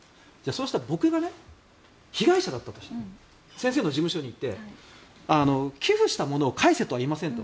そしたら僕が被害者だったとする先生の事務所に行って寄付したものを返せとは言いません